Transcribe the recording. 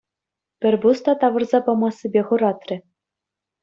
Пӗр пус та тавӑрса памассипе хӑратрӗ.